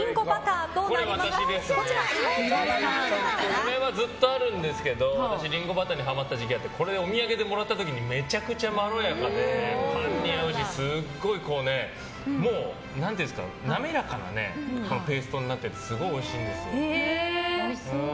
これはずっとあるんですけど私、リンゴバターにハマった時期あってこれお土産でもらった時にめちゃくちゃまろやかでパンに合うし滑らかなペーストになっててすごいおいしいんですよ。